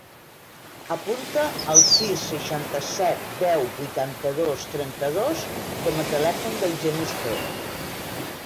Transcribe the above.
Apunta el sis, seixanta-set, deu, vuitanta-dos, trenta-dos com a telèfon del Genís He.